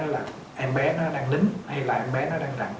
là em bé nó đang nín hay là em bé nó đang rặn